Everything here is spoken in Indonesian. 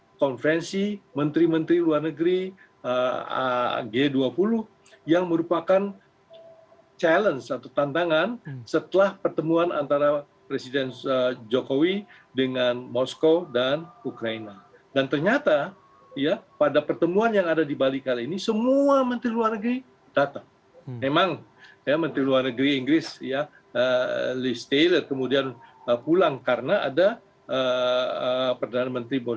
nah konflik ini juga berkaitan dengan konflik yang terjadi di uke dan sebagainya